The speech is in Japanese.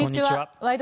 「ワイド！